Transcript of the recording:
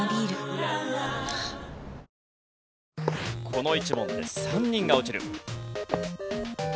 この１問で３人が落ちる。